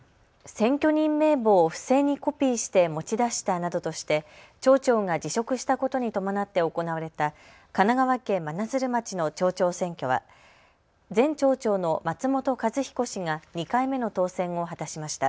選挙人名簿を不正にコピーして持ち出したなどとして町長が辞職したことに伴って行われた神奈川県真鶴町の町長選挙は前町長の松本一彦氏が２回目の当選を果たしました。